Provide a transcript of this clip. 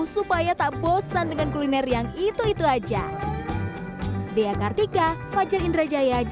supaya tak bosan dengan kuliner yang itu itu aja